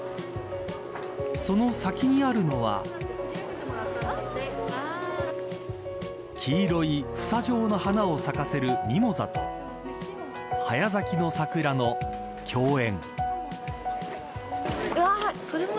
その先にあるのは黄色い房状の花を咲かせるミモザと早咲きの桜の競演。